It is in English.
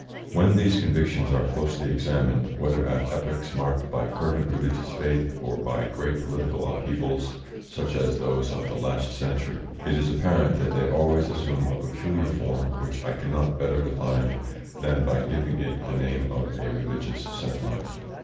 When these convictions are closely examined, whether at epochs marked by fervent religious faith, or by great political upheavals such as those of the last century, it is apparent that they always assume a peculiar form which I cannot better define than by giving it the name of a religious sentiment.